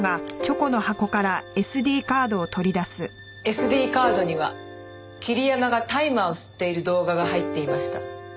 ＳＤカードには桐山が大麻を吸っている動画が入っていました。